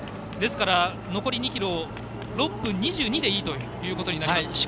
ですから、残り２ｋｍを６分２２でいいということになります。